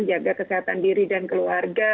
jaga kesehatan diri dan keluarga